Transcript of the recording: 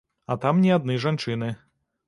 А там не адны жанчыны.